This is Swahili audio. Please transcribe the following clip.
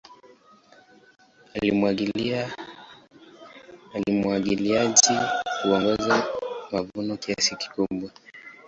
Umwagiliaji huongeza mavuno kiasi kikubwa.